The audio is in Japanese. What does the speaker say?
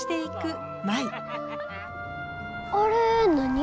あれ何？